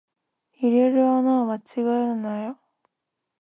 入れる穴を間違えるなよ